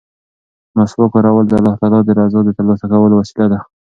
مسواک کارول د الله تعالی د رضا د ترلاسه کولو وسیله ده.